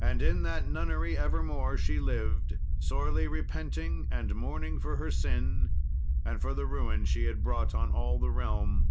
And in that nunnery evermore she lived, sorely repenting and mourning for her sin, and for the ruin she had brought on all the realm.